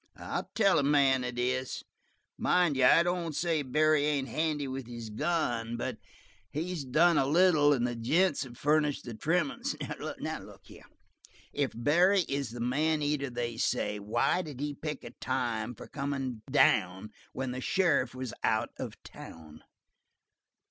"I'll tell a man it is. Mind you, I don't say Barry ain't handy with his gun; but he's done a little and the gents have furnished the trimmin's. Look here, if Barry is the man eater they say, why did he pick a time for comin' down when the sheriff was out of town?"